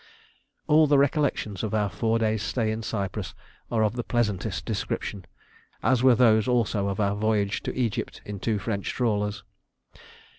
All the recollections of our four days' stay in Cyprus are of the pleasantest description, as were those also of our voyage to Egypt in two French trawlers.